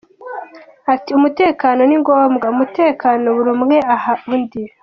Ati “Umutekano ni ngombwa, umutekano buri umwe aha undi.